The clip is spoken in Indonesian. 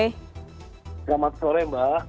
selamat sore mbak